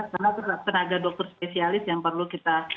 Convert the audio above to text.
karena itu tenaga dokter spesialis yang perlu kita